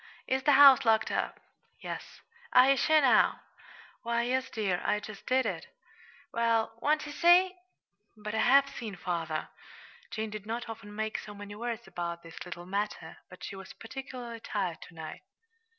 "Is the house locked up?" "Yes." "Are ye sure, now?" "Why, yes, dear; I just did it." "Well, won't ye see?" "But I have seen, father." Jane did not often make so many words about this little matter, but she was particularly tired to night.